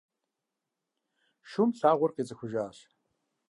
Шум лъагъуэр къицӏыхужащ.